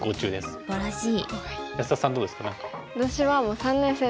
すばらしい。